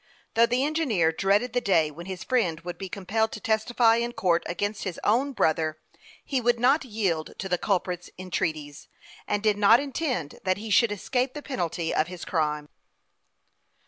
Though the engineer dread ed the day when his friend would be compelled to testify in court against his own brother, he would 300 HASTE AND WASTE, OR not yield to the culprit's entreaties, and did not intend that he should escape the penalty of his crime.